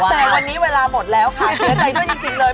แต่วันนี้เวลาหมดแล้วค่ะเสียใจด้วยจริงเลย